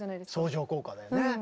相乗効果だよね。